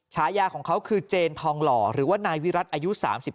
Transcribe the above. ฉายาของเขาคือเจนทองหล่อหรือว่านายวิรัติอายุ๓๓